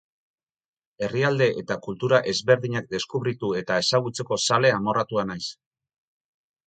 Herrialde eta kultura ezberdinak deskubritu eta ezagutzeko zale amorratua naiz.